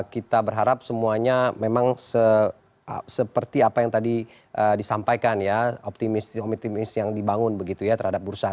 kita berharap semuanya memang seperti apa yang tadi disampaikan ya optimis yang dibangun begitu ya terhadap bursa